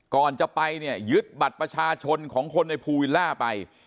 ก่อนจะไปเนี่ยยึดบัตรประชาชนของคนในภูวิลล่าไป